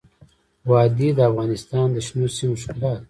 وادي د افغانستان د شنو سیمو ښکلا ده.